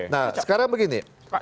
nah sekarang begini